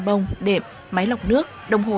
bông đệm máy lọc nước đồng hồ